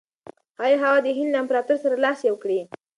ښایي هغه د هند له امپراطور سره لاس یو کړي.